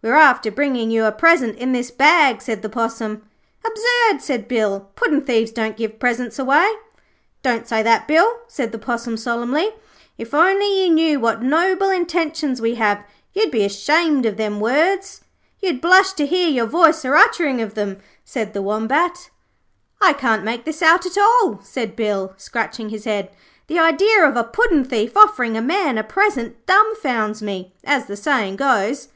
'We're after bringing you a present in this bag,' said the Possum. 'Absurd,' said Bill. 'Puddin' thieves don't give presents away.' 'Don't say that, Bill,' said the Possum, solemnly. 'If you only knew what noble intentions we have, you'd be ashamed of them words.' 'You'd blush to hear your voice a utterin' of them,' said the Wombat. 'I can't make this out at all,' said Bill, scratching his head. 'The idea of a puddin' thief offering a man a present dumbfounds me, as the saying goes.'